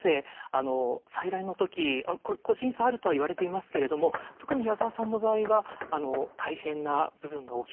あの採卵の時これ個人差あるとはいわれていますけれども特に矢沢さんの場合は大変な部分が大きかったみたいですね。